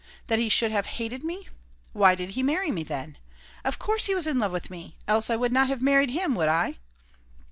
That he should have hated me? Why did he marry me, then? Of course he was in love with me! Else I would not have married him, would I?